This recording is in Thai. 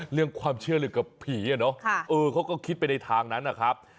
เรื่องความเชื่อเรื่องกับผีอะเนาะเขาก็คิดไปในทางนั้นนะครับ